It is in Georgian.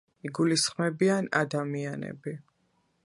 იგულისხმებიან ადამიანები